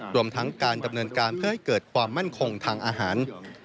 รวมทั้งการดำเนินการเพื่อให้เกิดความมั่นคงทางอาหาร